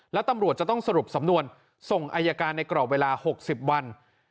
แล้วตำรวจจะต้องสรุปสำนวนส่งอายการในกรอบเวลา๖๐วัน